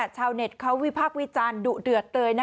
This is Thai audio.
ชาวเน็ตเขาวิพากษ์วิจารณ์ดุเดือดเลย